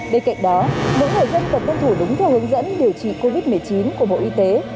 bên cạnh đó mỗi người dân cần tuân thủ đúng theo hướng dẫn điều trị covid một mươi chín của bộ y tế